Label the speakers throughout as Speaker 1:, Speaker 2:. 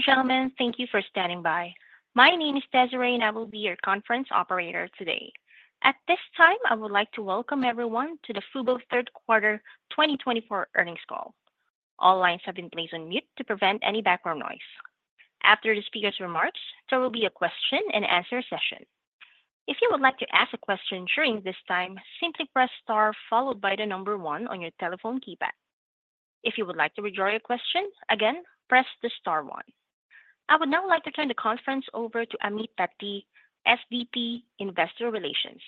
Speaker 1: Ladies and gentlemen, thank you for standing by. My name is Desiree, and I will be your conference operator today. At this time, I would like to welcome everyone to the FuboTV Third Quarter 2024 Earnings Call. All lines have been placed on mute to prevent any background noise. After the speaker's remarks, there will be a question-and-answer session. If you would like to ask a question during this time, simply press star followed by the number one on your telephone keypad. If you would like to withdraw your question, again, press the star one. I would now like to turn the conference over to Ameet Padte, SVP, Investor Relations.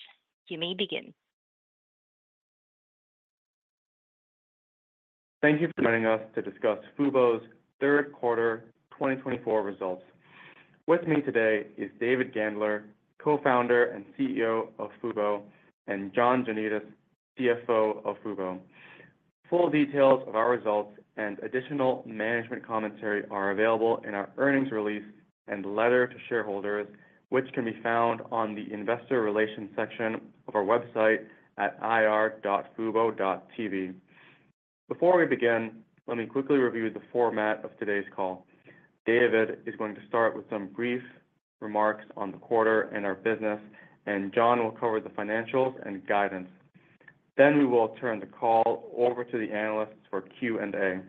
Speaker 1: You may begin.
Speaker 2: Thank you for joining us to discuss FuboTV's Third Quarter 2024 results. With me today is David Gandler, Co-founder and CEO of Fubo, and John Janedis, CFO of Fubo. Full details of our results and additional management commentary are available in our earnings release and letter to shareholders, which can be found on the Investor Relations section of our website at ir.fubo.tv. Before we begin, let me quickly review the format of today's call. David is going to start with some brief remarks on the quarter and our business, and John will cover the financials and guidance. Then we will turn the call over to the analysts for Q&A.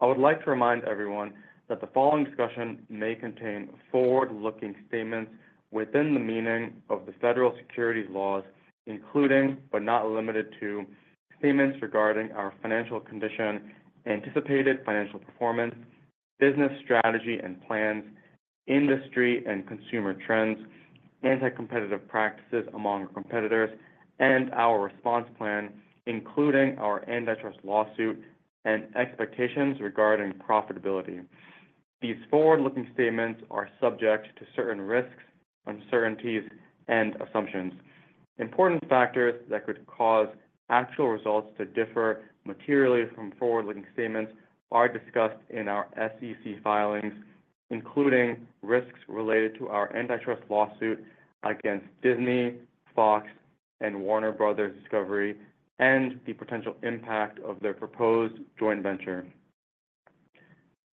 Speaker 2: I would like to remind everyone that the following discussion may contain forward-looking statements within the meaning of the federal securities laws, including but not limited to statements regarding our financial condition, anticipated financial performance, business strategy and plans, industry and consumer trends, anti-competitive practices among our competitors, and our response plan, including our antitrust lawsuit and expectations regarding profitability. These forward-looking statements are subject to certain risks, uncertainties, and assumptions. Important factors that could cause actual results to differ materially from forward-looking statements are discussed in our SEC filings, including risks related to our antitrust lawsuit against Disney, Fox, and Warner Bros. Discovery, and the potential impact of their proposed joint venture.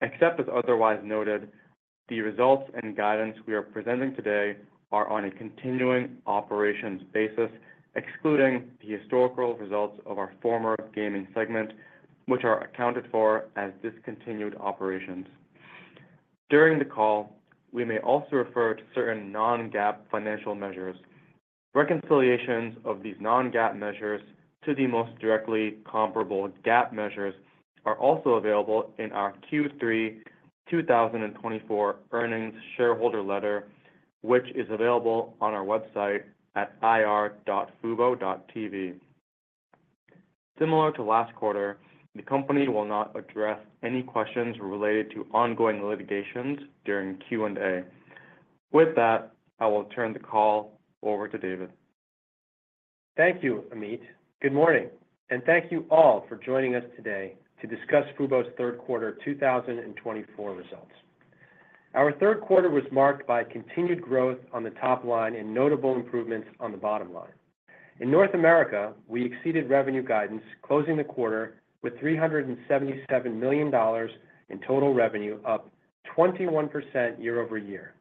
Speaker 2: Except as otherwise noted, the results and guidance we are presenting today are on a continuing operations basis, excluding the historical results of our former gaming segment, which are accounted for as discontinued operations. During the call, we may also refer to certain non-GAAP financial measures. Reconciliations of these non-GAAP measures to the most directly comparable GAAP measures are also available in our Q3 2024 earnings shareholder letter, which is available on our website at ir.fubo.tv. Similar to last quarter, the company will not address any questions related to ongoing litigations during Q&A. With that, I will turn the call over to David.
Speaker 3: Thank you, Ameet. Good morning, and thank you all for joining us today to discuss FuboTV's Third Quarter 2024 results. Our third quarter was marked by continued growth on the top line and notable improvements on the bottom line. In North America, we exceeded revenue guidance, closing the quarter with $377 million in total revenue, up 21% year-over-year.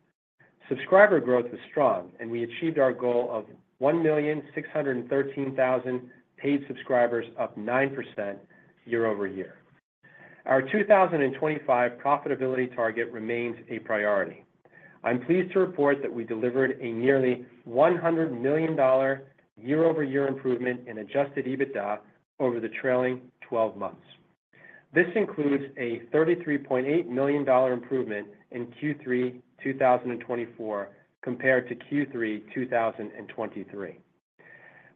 Speaker 3: Subscriber growth was strong, and we achieved our goal of 1,613,000 paid subscribers, up 9% year-over-year. Our 2025 profitability target remains a priority. I'm pleased to report that we delivered a nearly $100 million year-over-year improvement in adjusted EBITDA over the trailing 12 months. This includes a $33.8 million improvement in Q3 2024 compared to Q3 2023.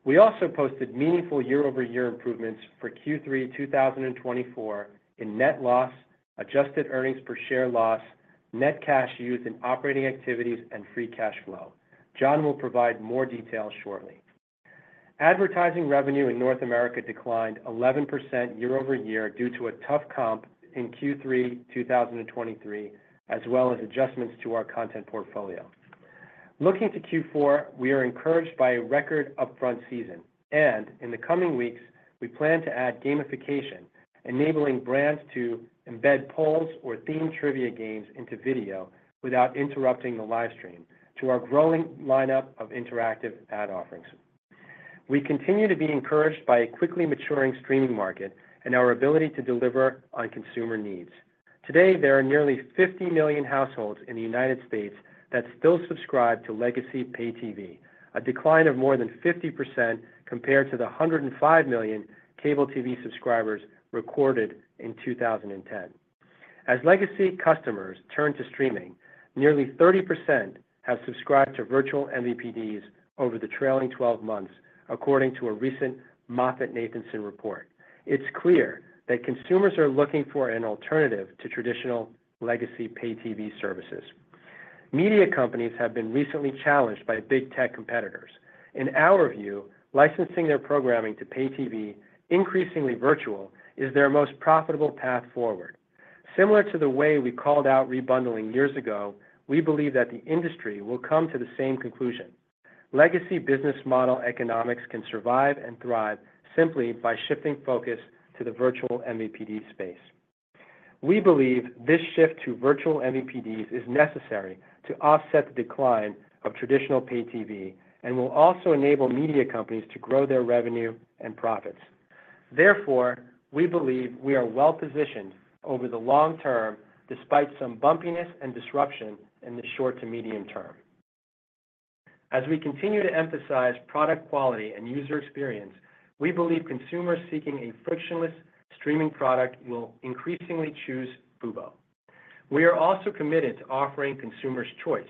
Speaker 3: We also posted meaningful year-over-year improvements for Q3 2024 in net loss, adjusted earnings per share loss, net cash used in operating activities, and free cash flow. John will provide more details shortly. Advertising revenue in North America declined 11% year-over-year due to a tough comp in Q3 2023, as well as adjustments to our content portfolio. Looking to Q4, we are encouraged by a record upfront season, and in the coming weeks, we plan to add gamification, enabling brands to embed polls or theme trivia games into video without interrupting the livestream to our growing lineup of interactive ad offerings. We continue to be encouraged by a quickly maturing streaming market and our ability to deliver on consumer needs. Today, there are nearly 50 million households in the United States that still subscribe to legacy pay TV, a decline of more than 50% compared to the 105 million cable TV subscribers recorded in 2010. As legacy customers turn to streaming, nearly 30% have subscribed to virtual MVPDs over the trailing 12 months, according to a recent MoffettNathanson report. It's clear that consumers are looking for an alternative to traditional legacy pay TV services. Media companies have been recently challenged by big tech competitors. In our view, licensing their programming to pay TV, increasingly virtual, is their most profitable path forward. Similar to the way we called out rebundling years ago, we believe that the industry will come to the same conclusion. Legacy business model economics can survive and thrive simply by shifting focus to the virtual MVPD space. We believe this shift to virtual MVPDs is necessary to offset the decline of traditional pay TV and will also enable media companies to grow their revenue and profits. Therefore, we believe we are well positioned over the long term, despite some bumpiness and disruption in the short to medium term. As we continue to emphasize product quality and user experience, we believe consumers seeking a frictionless streaming product will increasingly choose Fubo. We are also committed to offering consumers choice.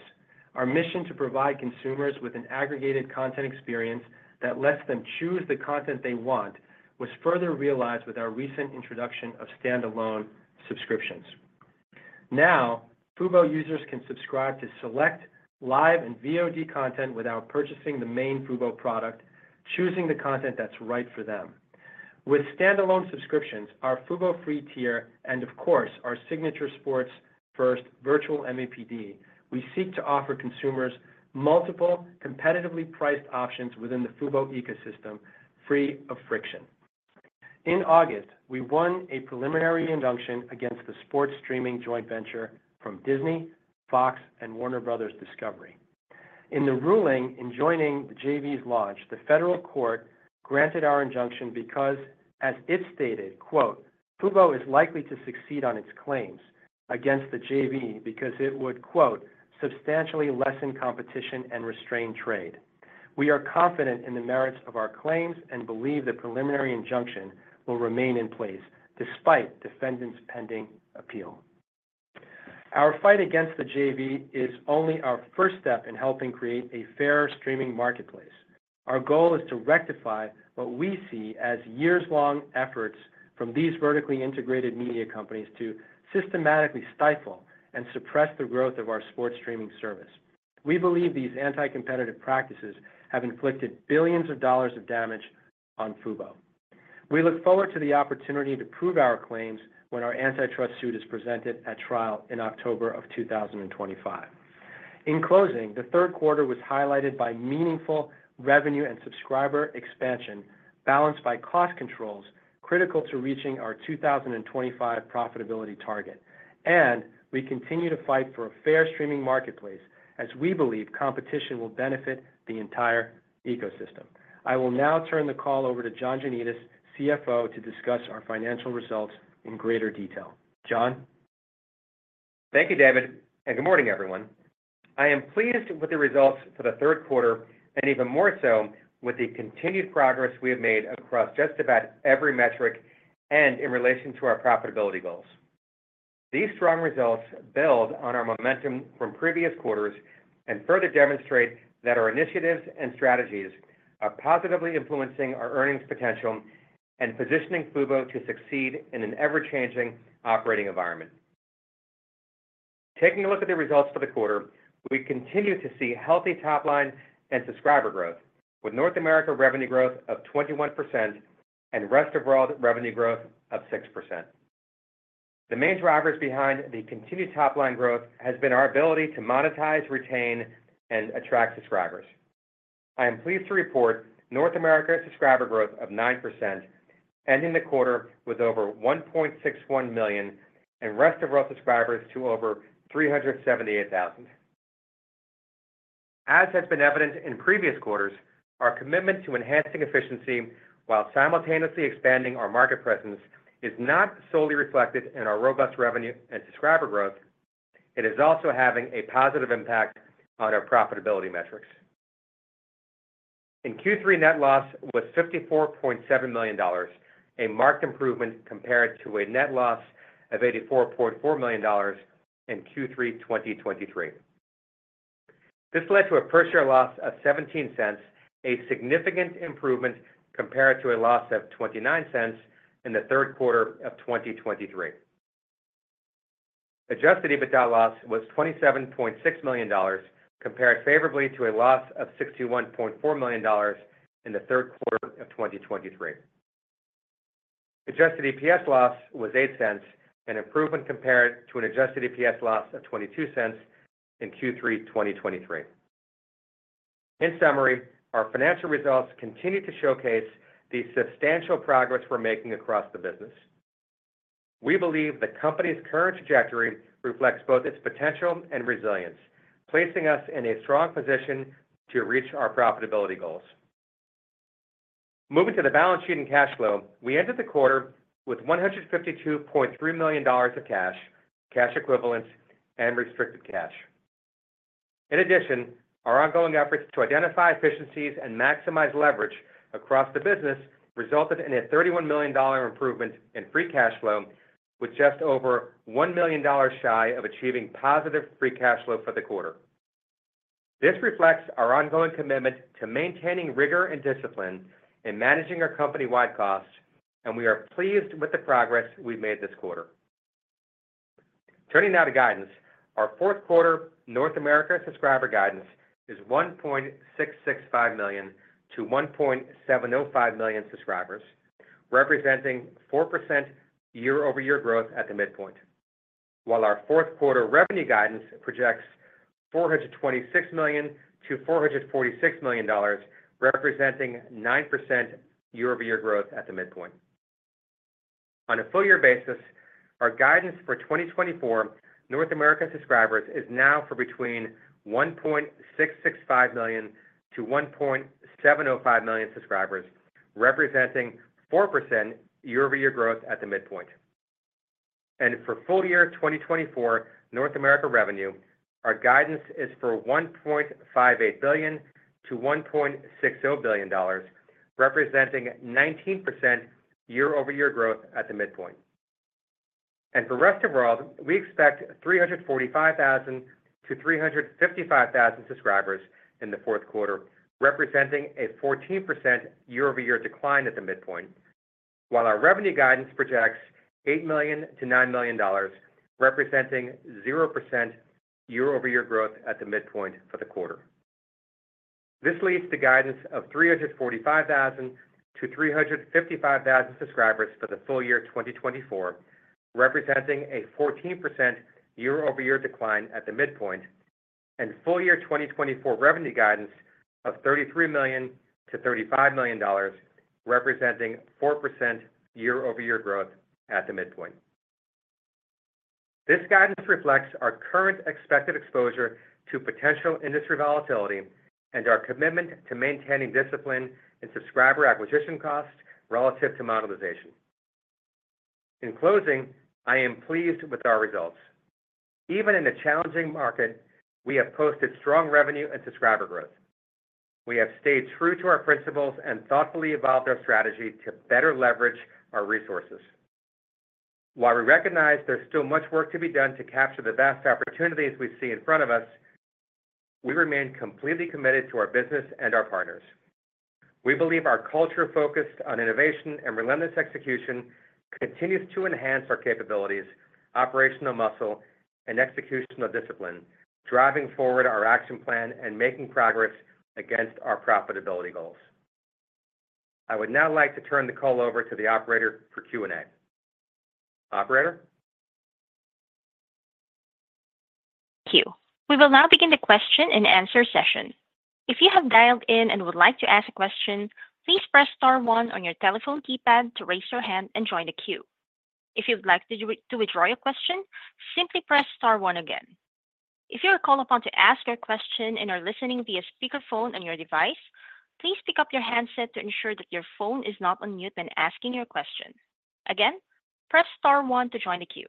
Speaker 3: Our mission to provide consumers with an aggregated content experience that lets them choose the content they want was further realized with our recent introduction of standalone subscriptions. Now, FuboTV users can subscribe to select live and VOD content without purchasing the main FuboTV product, choosing the content that's right for them. With standalone subscriptions, our FuboTV Free tier, and of course, our signature sports-first virtual MVPD, we seek to offer consumers multiple, competitively priced options within the FuboTV ecosystem, free of friction. In August, we won a preliminary injunction against the sports streaming joint venture from Disney, Fox, and Warner Bros. Discovery. In the ruling enjoining the JV's launch, the federal court granted our injunction because, as it stated, "FuboTV is likely to succeed on its claims against the JV because it would 'substantially lessen competition and restrain trade.'" We are confident in the merits of our claims and believe the preliminary injunction will remain in place despite defendant's pending appeal. Our fight against the JV is only our first step in helping create a fairer streaming marketplace. Our goal is to rectify what we see as years-long efforts from these vertically integrated media companies to systematically stifle and suppress the growth of our sports streaming service. We believe these anti-competitive practices have inflicted billions of dollars of damage on FuboTV. We look forward to the opportunity to prove our claims when our antitrust suit is presented at trial in October of 2025. In closing, the third quarter was highlighted by meaningful revenue and subscriber expansion balanced by cost controls critical to reaching our 2025 profitability target. And we continue to fight for a fair streaming marketplace as we believe competition will benefit the entire ecosystem. I will now turn the call over to John Janedis, CFO, to discuss our financial results in greater detail. John?
Speaker 4: Thank you, David, and good morning, everyone. I am pleased with the results for the third quarter and even more so with the continued progress we have made across just about every metric and in relation to our profitability goals. These strong results build on our momentum from previous quarters and further demonstrate that our initiatives and strategies are positively influencing our earnings potential and positioning FuboTV to succeed in an ever-changing operating environment. Taking a look at the results for the quarter, we continue to see healthy top line and subscriber growth, with North America revenue growth of 21% and Rest of World revenue growth of 6%. The main drivers behind the continued top line growth have been our ability to monetize, retain, and attract subscribers. I am pleased to report North America subscriber growth of 9%, ending the quarter with over 1.61 million and Rest of World subscribers to over 378,000. As has been evident in previous quarters, our commitment to enhancing efficiency while simultaneously expanding our market presence is not solely reflected in our robust revenue and subscriber growth. It is also having a positive impact on our profitability metrics. In Q3, net loss was $54.7 million, a marked improvement compared to a net loss of $84.4 million in Q3 2023. This led to a per share loss of $0.17, a significant improvement compared to a loss of $0.29 in the third quarter of 2023. Adjusted EBITDA loss was $27.6 million compared favorably to a loss of $61.4 million in the third quarter of 2023. Adjusted EPS loss was $0.08, an improvement compared to an adjusted EPS loss of $0.22 in Q3 2023. In summary, our financial results continue to showcase the substantial progress we're making across the business. We believe the company's current trajectory reflects both its potential and resilience, placing us in a strong position to reach our profitability goals. Moving to the balance sheet and cash flow, we ended the quarter with $152.3 million of cash, cash equivalents, and restricted cash. In addition, our ongoing efforts to identify efficiencies and maximize leverage across the business resulted in a $31 million improvement in free cash flow, with just over $1 million shy of achieving positive free cash flow for the quarter. This reflects our ongoing commitment to maintaining rigor and discipline in managing our company-wide costs, and we are pleased with the progress we've made this quarter. Turning now to guidance, our fourth quarter North America subscriber guidance is 1.665 million-1.705 million subscribers, representing 4% year-over-year growth at the midpoint, while our fourth quarter revenue guidance projects $426 million-$446 million, representing 9% year-over-year growth at the midpoint. On a full-year basis, our guidance for 2024 North America subscribers is now for between 1.665 million-1.705 million subscribers, representing 4% year-over-year growth at the midpoint. For full-year 2024 North America revenue, our guidance is for $1.58 billion-$1.60 billion, representing 19% year-over-year growth at the midpoint. For Rest of World, we expect 345,000-355,000 subscribers in the fourth quarter, representing a 14% year-over-year decline at the midpoint, while our revenue guidance projects $8 million-$9 million, representing 0% year-over-year growth at the midpoint for the quarter. This leads to guidance of 345,000-355,000 subscribers for the full year 2024, representing a 14% year-over-year decline at the midpoint, and full year 2024 revenue guidance of $33 million-$35 million, representing 4% year-over-year growth at the midpoint. This guidance reflects our current expected exposure to potential industry volatility and our commitment to maintaining discipline in subscriber acquisition costs relative to monetization. In closing, I am pleased with our results. Even in a challenging market, we have posted strong revenue and subscriber growth. We have stayed true to our principles and thoughtfully evolved our strategy to better leverage our resources. While we recognize there's still much work to be done to capture the vast opportunities we see in front of us, we remain completely committed to our business and our partners. We believe our culture focused on innovation and relentless execution continues to enhance our capabilities, operational muscle, and executional discipline, driving forward our action plan and making progress against our profitability goals. I would now like to turn the call over to the operator for Q&A. Operator?
Speaker 1: Thank you. We will now begin the question-and-answer session. If you have dialed in and would like to ask a question, please press star one on your telephone keypad to raise your hand and join the queue. If you would like to withdraw your question, simply press star one again. If you are called upon to ask your question and are listening via speakerphone on your device, please pick up your handset to ensure that your phone is not on mute when asking your question. Again, press star one to join the queue.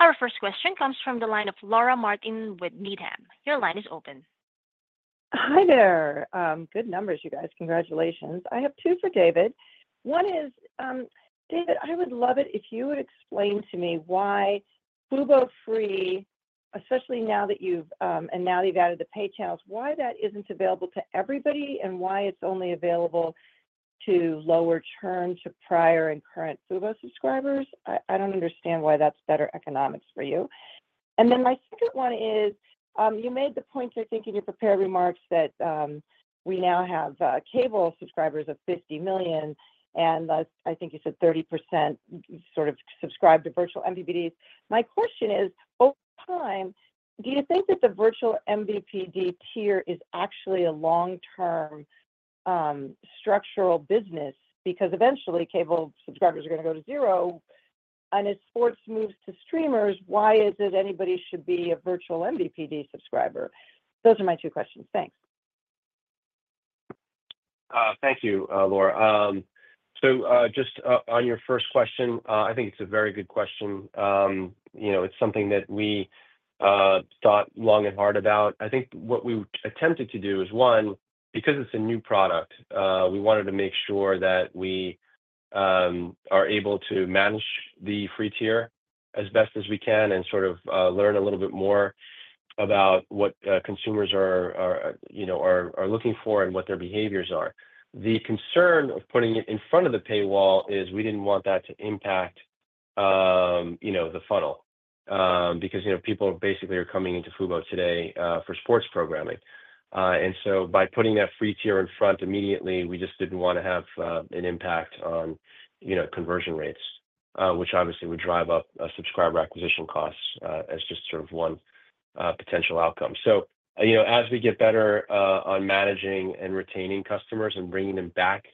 Speaker 1: Our first question comes from the line of Laura Martin with Needham. Your line is open.
Speaker 5: Hi there. Good numbers, you guys. Congratulations. I have two for David. One is, David, I would love it if you would explain to me why FuboTV Free, especially now that you've added the pay channels, why that isn't available to everybody and why it's only available to lower churn to prior and current FuboTV subscribers. I don't understand why that's better economics for you. And then my second one is you made the point, I think, in your prepared remarks that we now have cable subscribers of 50 million, and I think you said 30% sort of subscribe to virtual MVPDs. My question is, over time, do you think that the virtual MVPD tier is actually a long-term structural business? Because eventually, cable subscribers are going to go to zero. As sports moves to streamers, why is it anybody should be a virtual MVPD subscriber? Those are my two questions. Thanks.
Speaker 3: Thank you, Laura. So just on your first question, I think it's a very good question. It's something that we thought long and hard about. I think what we attempted to do is, one, because it's a new product, we wanted to make sure that we are able to manage the free tier as best as we can and sort of learn a little bit more about what consumers are looking for and what their behaviors are. The concern of putting it in front of the paywall is we didn't want that to impact the funnel because people basically are coming into FuboTV today for sports programming. And so by putting that free tier in front immediately, we just didn't want to have an impact on conversion rates, which obviously would drive up subscriber acquisition costs as just sort of one potential outcome. So as we get better on managing and retaining customers and bringing them back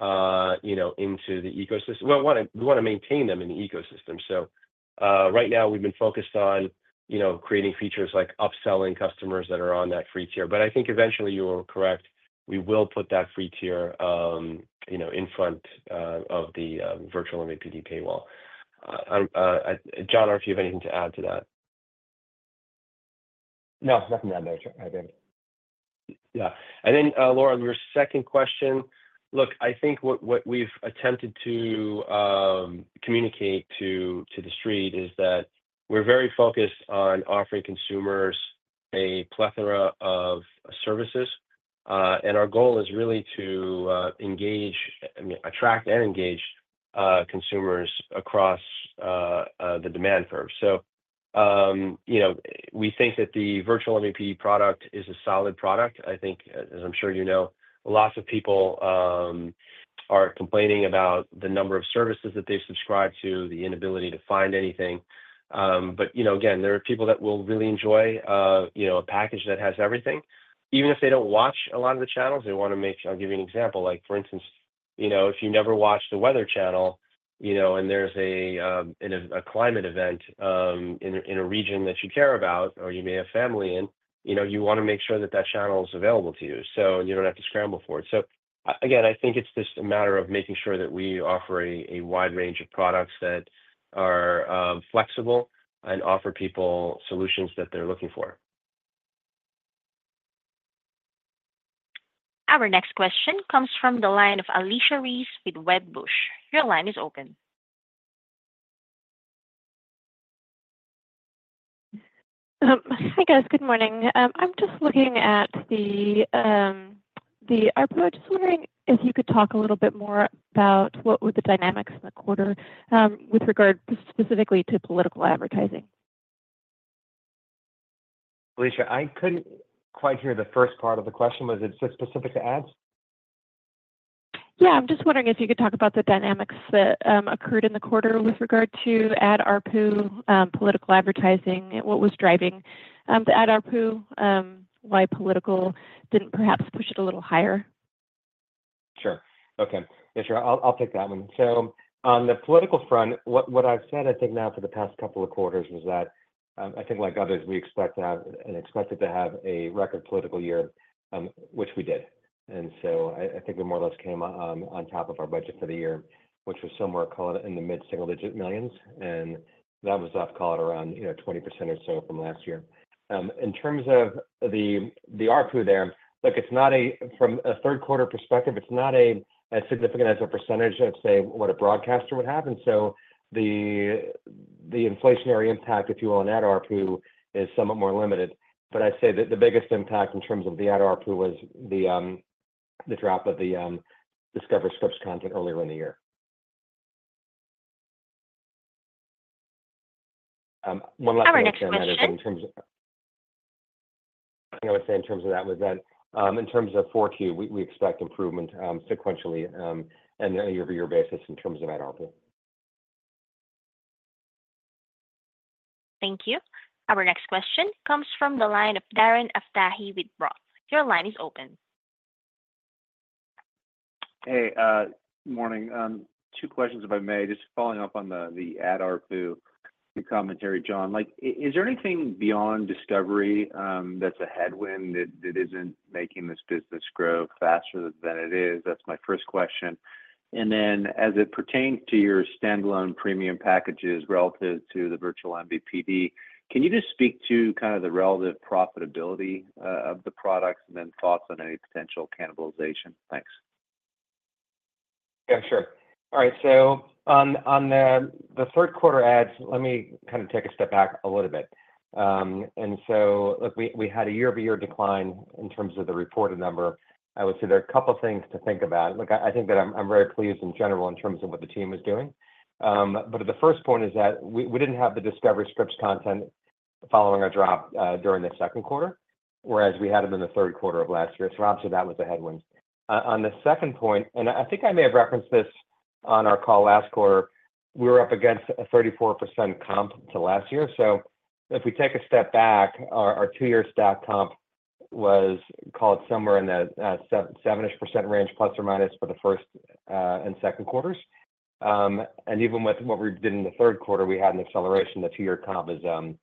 Speaker 3: into the ecosystem, we want to maintain them in the ecosystem. So right now, we've been focused on creating features like upselling customers that are on that free tier. But I think eventually, you are correct, we will put that free tier in front of the virtual MVPD paywall. John, if you have anything to add to that?
Speaker 4: No, nothing on there, I think.
Speaker 3: Yeah. And then, Laura, your second question. Look, I think what we've attempted to communicate to the street is that we're very focused on offering consumers a plethora of services. And our goal is really to engage, attract, and engage consumers across the demand curve. So we think that the virtual MVPD product is a solid product. I think, as I'm sure you know, lots of people are complaining about the number of services that they've subscribed to, the inability to find anything. But again, there are people that will really enjoy a package that has everything. Even if they don't watch a lot of the channels, they want to make. I'll give you an example. For instance, if you never watch The Weather Channel and there's a climate event in a region that you care about or you may have family in, you want to make sure that that channel is available to you so you don't have to scramble for it. So again, I think it's just a matter of making sure that we offer a wide range of products that are flexible and offer people solutions that they're looking for.
Speaker 1: Our next question comes from the line of Alicia Reese with Wedbush. Your line is open.
Speaker 6: Hi, guys. Good morning. I'm just looking at the output. I'm just wondering if you could talk a little bit more about what were the dynamics in the quarter with regard specifically to political advertising?
Speaker 4: Alicia, I couldn't quite hear the first part of the question. Was it specific to ads?
Speaker 6: Yeah. I'm just wondering if you could talk about the dynamics that occurred in the quarter with regard to ad ARPU, political advertising, what was driving the ad ARPU, why political didn't perhaps push it a little higher?
Speaker 4: Sure. Okay. Yeah, sure. I'll take that one. So on the political front, what I've said, I think, now for the past couple of quarters was that I think, like others, we expected to have a record political year, which we did. And so I think we more or less came on top of our budget for the year, which was somewhere in the mid-single-digit millions. And that was up, call it around 20% or so from last year. In terms of the ARPU there, from a third-quarter perspective, it's not as significant as a percentage of, say, what a broadcaster would have. And so the inflationary impact, if you will, on ad ARPU is somewhat more limited. But I'd say that the biggest impact in terms of the ad ARPU was the drop of the Discovery Scripps content earlier in the year. One last thing I would say in terms of that in terms of 4Q, we expect improvement sequentially and on a year-over-year basis in terms of ad ARPU.
Speaker 1: Thank you. Our next question comes from the line of Darren Aftahi with Roth. Your line is open.
Speaker 7: Hey, good morning. Two questions, if I may. Just following up on the ad ARPU commentary, John. Is there anything beyond Discovery that's a headwind that isn't making this business grow faster than it is? That's my first question. And then as it pertains to your standalone premium packages relative to the virtual MVPD, can you just speak to kind of the relative profitability of the products and then thoughts on any potential cannibalization? Thanks.
Speaker 4: Yeah, sure. All right. So on the third-quarter ads, let me kind of take a step back a little bit. And so we had a year-over-year decline in terms of the reported number. I would say there are a couple of things to think about. Look, I think that I'm very pleased in general in terms of what the team is doing. But the first point is that we didn't have the Discovery Scripps content following our drop during the second quarter, whereas we had them in the third quarter of last year. So obviously, that was a headwind. On the second point, and I think I may have referenced this on our call last quarter, we were up against a 34% comp to last year. So if we take a step back, our two-year stock comp was called somewhere in the ±7-ish% range, for the first and second quarters. And even with what we did in the third quarter, we had an acceleration. The two-year comp is 11%.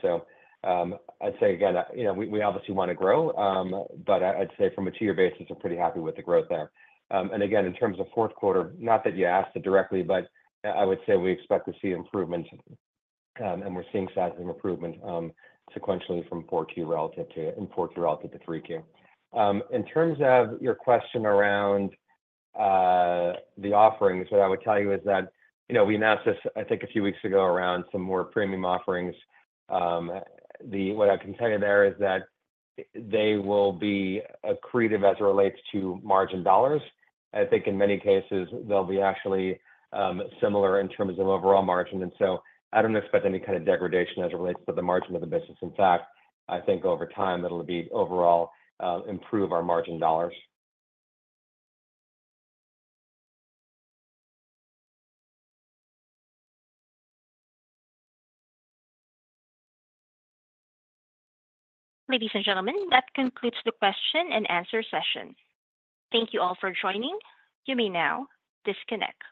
Speaker 4: So I'd say, again, we obviously want to grow, but I'd say from a two-year basis, we're pretty happy with the growth there. And again, in terms of fourth quarter, not that you asked it directly, but I would say we expect to see improvement, and we're seeing signs of improvement sequentially from 4Q relative to and 4Q relative to 3Q. In terms of your question around the offerings, what I would tell you is that we announced this, I think, a few weeks ago around some more premium offerings. What I can tell you there is that they will be accretive as it relates to margin dollars. I think in many cases, they'll be actually similar in terms of overall margin. And so I don't expect any kind of degradation as it relates to the margin of the business. In fact, I think over time, it'll be overall improve our margin dollars.
Speaker 1: Ladies and gentlemen, that concludes the question-and-answer session. Thank you all for joining. You may now disconnect.